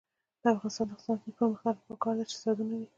د افغانستان د اقتصادي پرمختګ لپاره پکار ده چې استعدادونه وي.